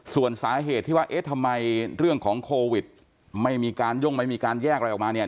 ส่วนสาเหตุที่ว่าเอ๊ะทำไมเรื่องของโควิดไม่มีการย่งไม่มีการแยกอะไรออกมาเนี่ย